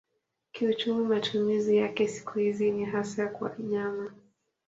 Kiuchumi matumizi yake siku hizi ni hasa kwa nyama.